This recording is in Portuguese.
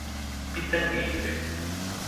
Pitangueiras